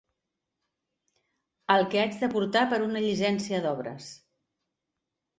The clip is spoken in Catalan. El que haig de portar per una llicència d'obres.